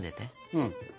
うん。